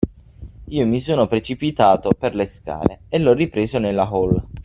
Io mi sono precipitato per le scale e l’ho ripreso nella hall.